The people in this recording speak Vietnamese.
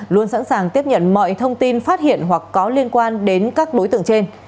luôn sẵn sàng tiếp nhận mọi thông tin phát hiện hoặc có liên quan đến các đối tượng trên